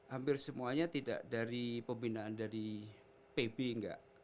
hampir semuanya tidak dari pembinaan dari pb enggak